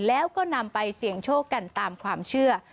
แล้วก็นำไปเสี่ยงโชคกันตามความเชื่อ